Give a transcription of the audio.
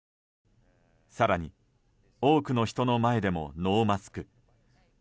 更に、多くの人の前でもノーマスク。